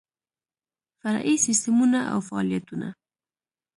فرعي سیسټمونه او فعالیتونه